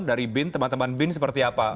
dari bin teman teman bin seperti apa